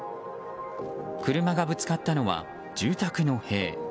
車がぶつかったのは住宅の塀。